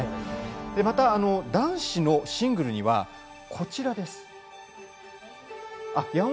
また男子のシングルにはこちらです。